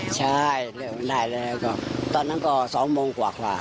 ใช่เริ่มได้แล้วตอนนั้นก็สองโมงขวาก